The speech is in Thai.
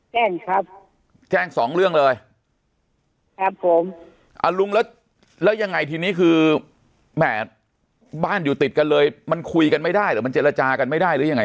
แจ้งครับแจ้งสองเรื่องเลยครับผมอ่าลุงแล้วแล้วยังไงทีนี้คือแหมบ้านอยู่ติดกันเลยมันคุยกันไม่ได้หรือมันเจรจากันไม่ได้หรือยังไง